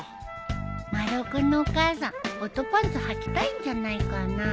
丸尾君のお母さんホットパンツはきたいんじゃないかな？